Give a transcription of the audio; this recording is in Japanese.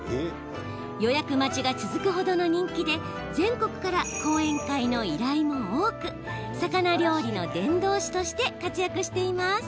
予約待ちが続くほどの人気で全国から講演会の依頼も多く魚料理の伝道師として活躍しています。